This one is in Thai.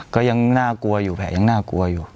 ก็ยังน่ากลัวอยู่แผลยังน่ากลัวอยู่